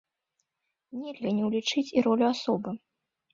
Нельга не ўлічыць і ролю асобы.